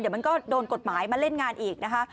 เดี๋ยวมันก็โดนกฎหมายมาเล่นงานอีกนะคะ